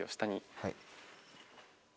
はい。